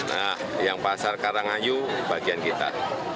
nah yang pasar karangayu bagian kita